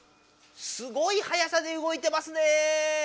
すごいはやさでうごいてますね！